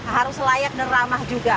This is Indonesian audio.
harus layak dan ramah juga